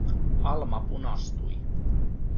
Alma punastui.